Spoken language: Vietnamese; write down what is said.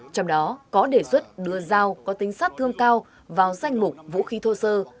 trong đó có đề xuất đưa dao có tính sát thương cao vào danh mục vũ khí thô sơ